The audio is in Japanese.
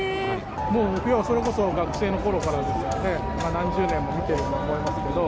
もうそれこそ学生のころからですから、何十年も見てると思いますけど。